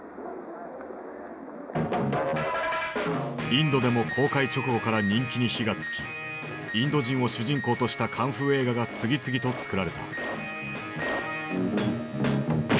インドでも公開直後から人気に火がつきインド人を主人公としたカンフー映画が次々と作られた。